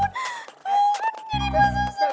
ular jadi bahasa seru